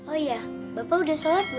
oh iya bapak udah sholat gak